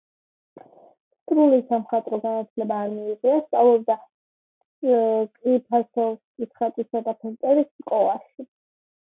სრული სამხატვრო განათლება არ მიუღია, სწავლობდა სკლიფასოვსკის ხატვისა და ფერწერის სკოლაში.